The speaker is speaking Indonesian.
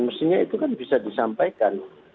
mestinya itu kan bisa disampaikan